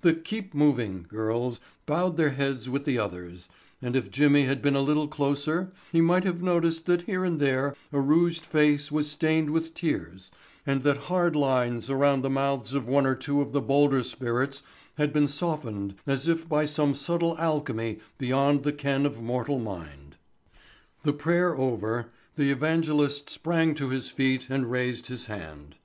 The "Keep Moving" girls bowed their heads with the others, and if Jimmy had been a little closer he might have noticed that here and there a rouged face was stained with tears and that hard lines around the mouths of one or two of the bolder spirits had been softened as if by some subtle alchemy beyond the ken of mortal mind. The prayer over, the evangelist sprang to his feet and raised his hand.